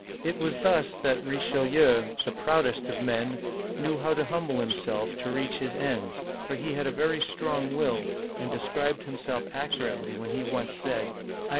It was thus that Richelieu, the proudest of men, knew how to humble him self to reach his ends, for he had a very strong will, and described himself accurately when he once said, "I Painting, by Girbme. "His Gray Eminence."